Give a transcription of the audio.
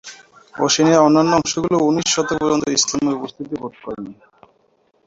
ওশেনিয়ার অন্যান্য অংশগুলি উনিশ শতক পর্যন্ত ইসলামের উপস্থিতি বোধ করেনি।